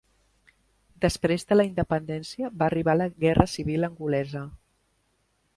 Després de la independència va arribar la Guerra Civil angolesa.